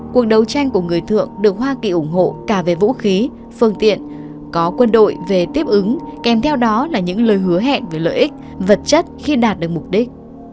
cuộc đấu tranh của người thượng được hoa kỳ ủng hộ cả về vũ khí phương tiện có quân đội về tiếp ứng kèm theo đó là những lời hứa hẹn về lợi ích vật chất khi đạt được mục đích